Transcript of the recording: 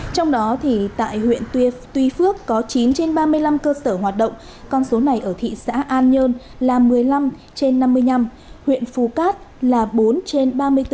trong đó tại huyện tuy phước có chín trên ba mươi năm cơ sở hoạt động con số này ở thị xã an nhơn là một mươi năm trên năm mươi năm huyện phú cát là bốn trên ba mươi bốn